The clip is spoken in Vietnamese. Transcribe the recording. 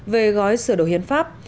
về gói sửa đổi hiến pháp